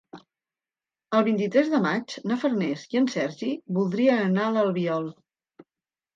El vint-i-tres de maig na Farners i en Sergi voldrien anar a l'Albiol.